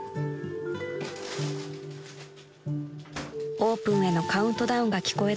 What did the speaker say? ［オープンへのカウントダウンが聞こえだし